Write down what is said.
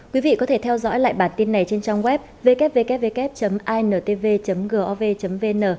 quý vị có thể theo dõi lại bản tin này trên trang web www intv gov vn